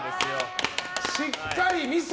しっかりミス！